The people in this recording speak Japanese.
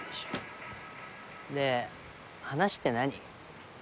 で話って何？